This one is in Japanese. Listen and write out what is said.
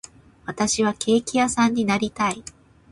私はケーキ屋さんになりたい